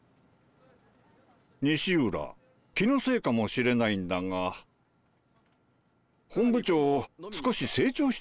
西浦気のせいかもしれないんだが本部長